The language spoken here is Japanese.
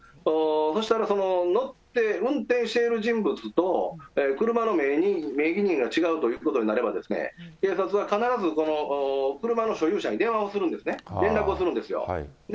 そしたらその乗って運転している人物と、車の名義人が違うということになれば、警察は必ず、その車の所有者に電話をするんですね、連絡をするんですよ。